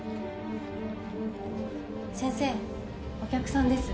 先生お客さんです。